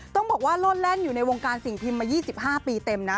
ต้องบอกว่าโลดแล่นอยู่ในวงการสิ่งพิมพ์มา๒๕ปีเต็มนะ